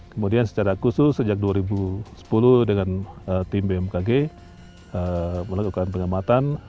kemudian secara khusus sejak dua ribu sepuluh dengan tim bmkg melakukan pengamatan